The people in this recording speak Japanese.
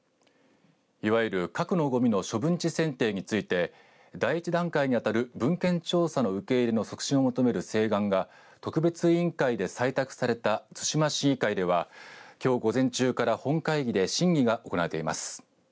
いわゆる核のごみの処分地選定について第１段階に当たる文献調査の受け入れの促進を求める請願が特別委員会で採択された対馬市議会ではきょう午前中から本会議で審議が行われています。